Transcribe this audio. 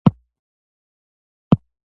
د اکنه د پوست غدودونو بندېدل دي.